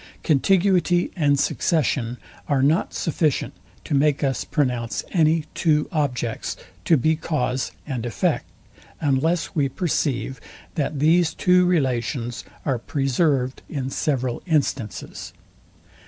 Contiguity and succession are not sufficient to make us pronounce any two objects to be cause and effect, unless we perceive, that these two relations are preserved in several instances.